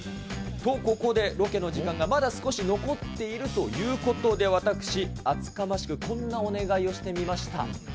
とここで、ロケの時間がまだ少し残っているということで、私、厚かましくこんなお願いをしてみました。